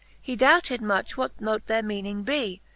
He doubted much what mote their meaning bee.